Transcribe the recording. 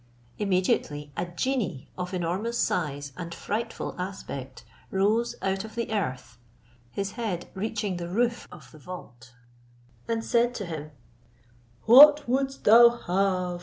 Immediately a genie of enormous size and frightful aspect rose out of the earth, his head reaching the roof of the vault, and said to him, "What wouldst thou have?